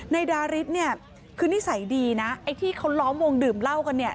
นายดาริสเนี่ยคือนิสัยดีนะไอ้ที่เขาล้อมวงดื่มเหล้ากันเนี่ย